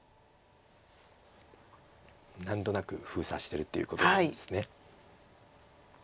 何となく封鎖してるっていうことなんです。